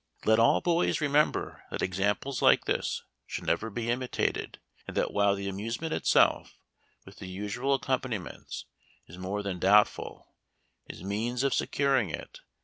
19 Let all boys remember that examples like this should never be imitated ; and that while the amusement itself, with the usual accompani ments, is more than doubtful, his means of securing it.